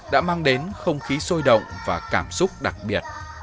đã mang đến không khí sôi động và cảm xúc đặc biệt